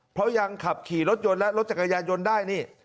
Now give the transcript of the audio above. เพราะยังขับขี่รถยนต์และรถจักรยานยนต์ได้นี่